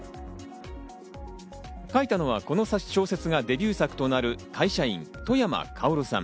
書いたのはこの小説がデビュー作となる会社員・外山薫さん。